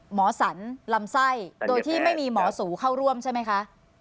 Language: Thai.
หมอสันลำไส้โดยที่ไม่มีหมอสูเข้าร่วมใช่ไหมคะ